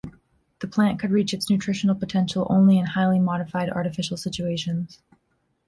The plant could reach its nutritional potential only in highly modified artificial situations.